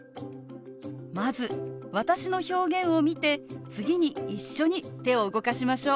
まず私の表現を見て次に一緒に手を動かしましょう。